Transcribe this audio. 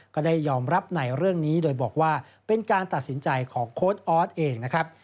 ก็ได้ยอมรับในเรื่องนี้โดยบอกว่าเป็นการตัดสินใจของโค้ดออสเองนะครับ